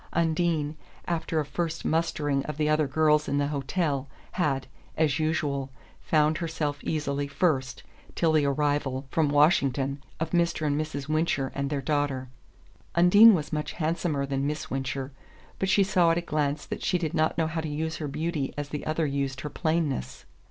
Undine, after a first mustering of the other girls in the hotel, had, as usual, found herself easily first till the arrival, from Washington, of Mr. and Mrs. Wincher and their daughter. Undine was much handsomer than Miss Wincher, but she saw at a glance that she did not know how to use her beauty as the other used her plainness.